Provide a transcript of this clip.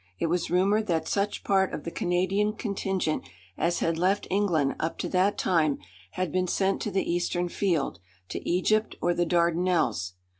It was rumoured that such part of the Canadian contingent as had left England up to that time had been sent to the eastern field, to Egypt or the Dardanelles.